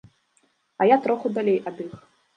А я троху далей ад іх.